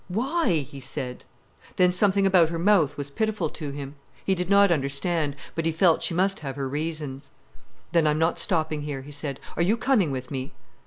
"Why?" he said. Then something about her mouth was pitiful to him. He did not understand, but he felt she must have her reasons. "Then I'm not stopping here," he said. "Are you coming with me?"